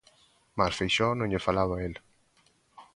Mais Feixóo non lle falaba a el.